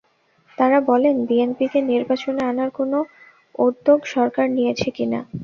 তাঁরা বলেন, বিএনপিকে নির্বাচনে আনার কোনো উদ্যোগ সরকার নিয়েছে কি না।